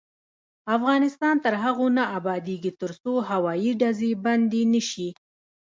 افغانستان تر هغو نه ابادیږي، ترڅو هوایي ډزې بندې نشي.